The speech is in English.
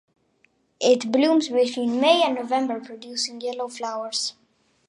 It blooms between May and November producing yellow flowers.